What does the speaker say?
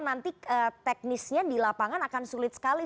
nanti teknisnya di lapangan akan sulit sekali